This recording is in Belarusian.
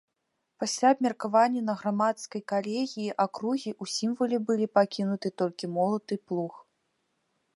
Пасля абмеркавання на грамадскай калегіі акругі ў сімвале былі пакінуты толькі молат і плуг.